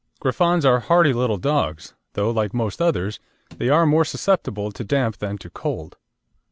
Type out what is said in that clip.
Griffons are hardy little dogs, though, like most others, they are more susceptible to damp than to cold.